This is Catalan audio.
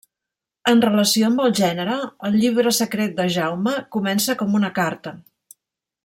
En relació amb el gènere, el Llibre Secret de Jaume comença com una carta.